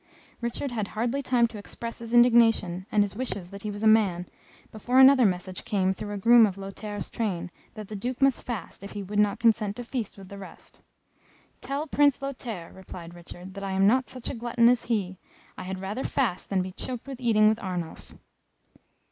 Richard had hardly time to express his indignation, and his wishes that he was a man, before another message came through a groom of Lothaire's train, that the Duke must fast, if he would not consent to feast with the rest. "Tell Prince Lothaire," replied Richard, "that I am not such a glutton as he I had rather fast than be choked with eating with Arnulf."